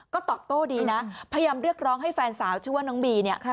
ก็ตอบโต้ดีนะพยายามเรียกร้องให้แฟนสาวชื่อว่าน้องบีเนี่ย